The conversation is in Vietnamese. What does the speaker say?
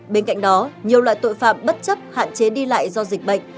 bên cạnh đó nhiều loại tội phạm bất chấp hạn chế đi lại do dịch bệnh